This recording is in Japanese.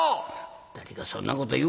「誰がそんなこと言うか」。